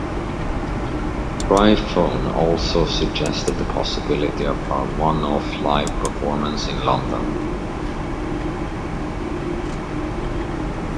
Gryphon also suggested the possibility of a one-off live performance in London.